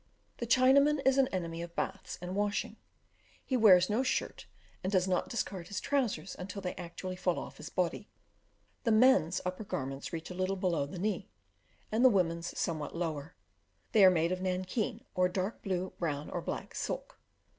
The Chinaman is an enemy of baths and washing; he wears no shirt, and does not discard his trousers until they actually fall off his body. The men's upper garments reach a little below the knee, and the women's somewhat lower. They are made of nankeen, or dark blue, brown, or black silk.